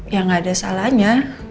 ya gak ada salahnya